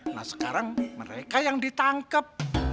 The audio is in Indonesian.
nah sekarang mereka yang ditangkap